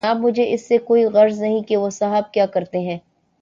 جناب مجھے اس سے کوئی غرض نہیں کہ وہ صاحب کیا کرتے ہیں۔